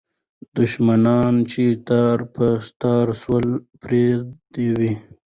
دښمنان چې تار په تار سول، پردي وو.